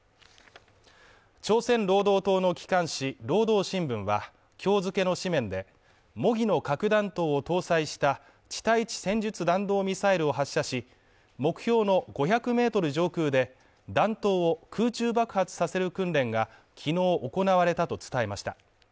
朝鮮労働党の機関紙「労働新聞」は今日付けの紙面で、模擬の核弾頭を搭載した地対地戦術弾道ミサイルを発射し、目標の５００ｍ上空で弾頭を空中爆発させる訓練が昨日行われたと伝えました。